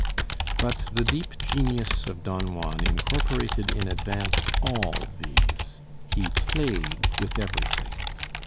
But the deep genius of Don Juan incorporated in advance all these. He played with everything.